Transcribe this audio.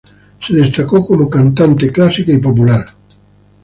Se destacó como cantante clásica y popular.